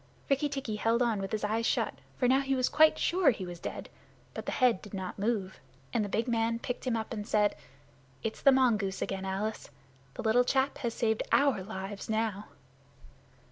Rikki tikki held on with his eyes shut, for now he was quite sure he was dead. But the head did not move, and the big man picked him up and said, "It's the mongoose again, Alice. The little chap has saved our lives now."